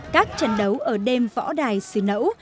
các trận đấu ở đêm võ đài sư nẫu